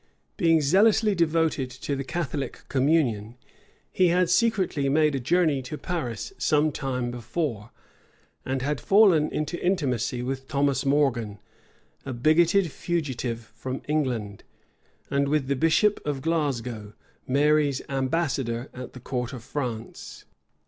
Being zealously devoted to the Catholic communion, he had secretly made a journey to Paris some time before, and had fallen into intimacy with Thomas Morgan, a bigoted fugitive from England, and with the bishop of Glasgow, Mary's ambassador at the court of France.